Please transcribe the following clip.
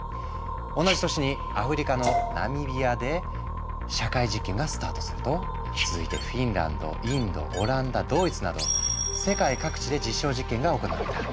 同じ年にアフリカのナミビアで社会実験がスタートすると続いてフィンランドインドオランダドイツなど世界各地で実証実験が行われた。